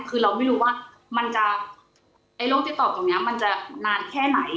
คือเราไม่รู้ว่ามันจะไอ้โรคติดต่อตรงนี้มันจะนานแค่ไหน